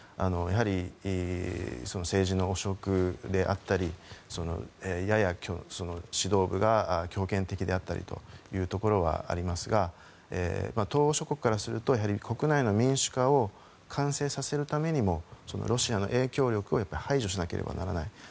やはり政治の汚職であったりやや指導部が強権的であったりというところはありますが東欧諸国からすると国内の民主化を完成させるためにもロシアの影響力を排除しなければならない。